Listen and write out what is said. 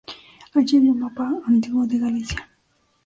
Allí había un mapa antiguo de Galicia.